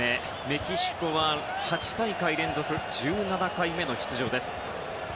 メキシコは８大会連続１７回目の出場です。